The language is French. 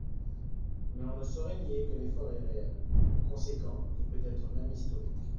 Mais on ne saurait nier que l’effort est réel, conséquent et peut-être même historique.